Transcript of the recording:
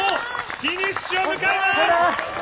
フィニッシュを迎えます。